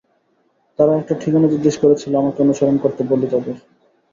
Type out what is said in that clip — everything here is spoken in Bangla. তারা একটা ঠিকানা জিজ্ঞেস করেছিলো, আমাকে অনুসরণ করতে বলি তাদের।